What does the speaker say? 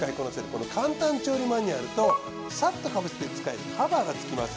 この簡単調理マニュアルとサッとかぶせて使えるカバーが付きます。